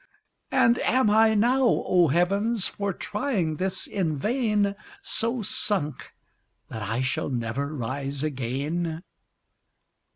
And am I now, O heavens! for trying this in vain, So sunk that I shall never rise again?